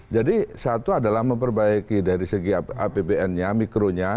jadi satu adalah memperbaiki dari segi apbn nya mikronya